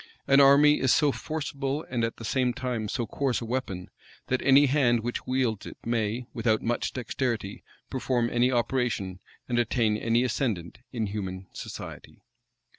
An army is so forcible, and at the same time so coarse a weapon, that any hand which wields it, may, without much dexterity, perform any operation, and attain any ascendant, in human society.